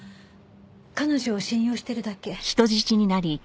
彼女を信用してるだけ。